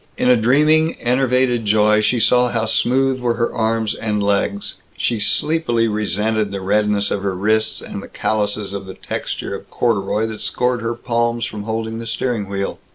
In a dreaming enervated joy she saw how smooth were her arms and legs; she sleepily resented the redness of her wrists and the callouses of the texture of corduroy that scored her palms from holding the steering wheel.